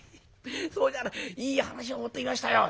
「そうじゃないいい話を持ってきましたよ。